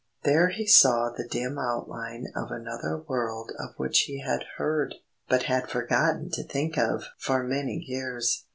There he saw the dim outline of another world of which he had heard, but had forgotten to think of for many years.